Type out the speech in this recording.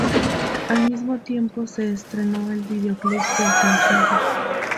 Al mismo tiempo se estrenó el videoclip del sencillo.